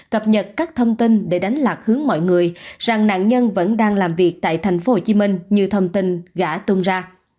cập nhật các thông tin để đánh lạc hướng mọi người rằng nạn nhân vẫn đang làm việc tại thành phố hồ chí minh như thông tin gã tung ra